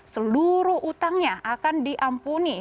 seluruh utangnya akan diampuni